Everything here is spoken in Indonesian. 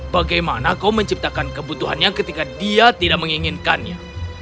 bagaimana kau menciptakan kebutuhannya ketika dia tidak menginginkannya